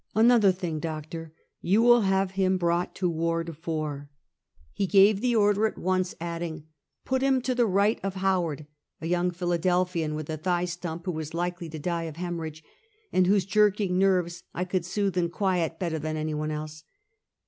" Another thing, doctor; you will have him brought to Ward Tour." First Case of Gkowing a JSTew Bone. 283 He gave the order at once, adding: " Put Inm to the right of Howard "— a young Philadelphian with a thigh stump, who was likely to die of hemorrhage, and whose jerking nerves I could soothe and quiet better than any one else.